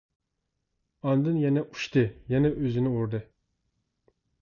ئاندىن يەنە ئۇچتى، يەنە ئۆزىنى ئۇردى.